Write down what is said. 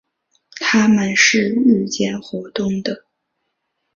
它们是日间活动的。